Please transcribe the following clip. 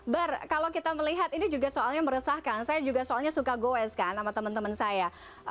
bar kalau kita melihat ini juga soalnya meresahkan saya juga soalnya suka goes kan sama teman teman saya